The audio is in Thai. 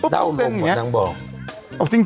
เดาลมเหมือนนางบอง